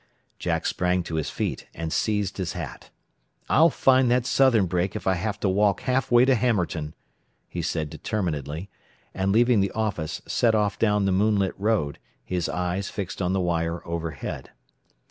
Jack sprang to his feet and seized his hat. "I'll find that southern break if I have to walk half way to Hammerton," he said determinedly, and leaving the office, set off down the moonlit road, his eyes fixed on the wire overhead.